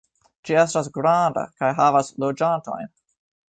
Ĝi estas granda kaj havas loĝantojn.